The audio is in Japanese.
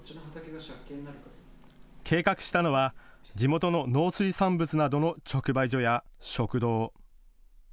計画したのは地元の農水産物などの直売所や食堂。